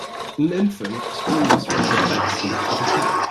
an infant screams from the backseat of a cab.